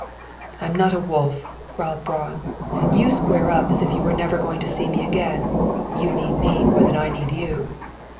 "I'm not a wolf," growled Braun. "You square up as if you were never going to see me again. You need me more than I need you."